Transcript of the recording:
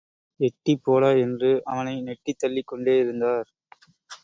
எட்டிப் போடா என்று அவனை நெட்டித் தள்ளிக் கொண்டேயிருந்தார்.